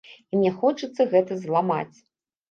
І мне хочацца гэта зламаць.